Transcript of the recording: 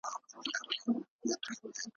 که څوک وغواړي، خپل مذهب په آزادي لمانځي.